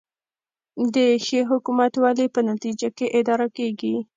د ښې حکومتولې په نتیجه کې اداره کیږي